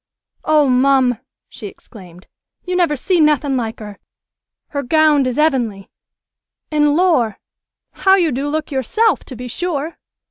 "Oh, mum," she exclaimed, "you never see nothin' like her! Her gownd is 'evingly. An' lor'! how you do look yourself, to be sure!"